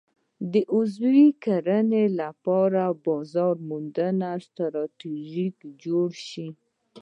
د عضوي کرنې لپاره د بازار موندنې ستراتیژي جوړه شي.